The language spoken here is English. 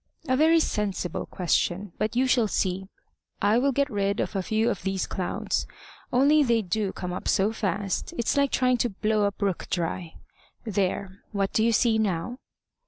"A very sensible question. But you shall see. I will get rid of a few of these clouds only they do come up so fast! It's like trying to blow a brook dry. There! What do you see now?"